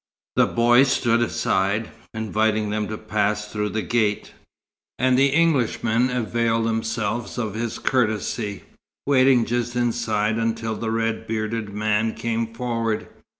The boy stood aside, inviting them to pass through the gate, and the Englishmen availed themselves of his courtesy, waiting just inside until the red bearded man came forward.